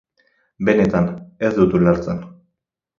Benetan, ez dut ulertzen.